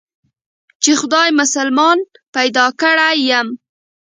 چې خداى مسلمان پيدا کړى يم.